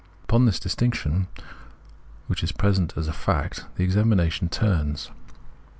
Upon this distinc tion, which is present as a fact, the examination turns.